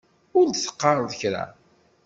Ur d-teqqareḍ kra?